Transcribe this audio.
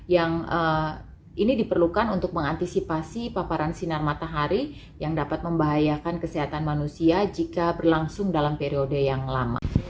yang ini diperlukan untuk mengantisipasi paparan sinar matahari yang dapat membahayakan kesehatan manusia jika berlangsung dalam periode yang lama